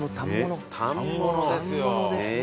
反物ですね。